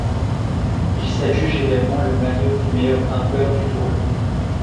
Il s'adjuge également le maillot de meilleur grimpeur du Tour.